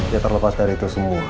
ya terlepas dari itu semua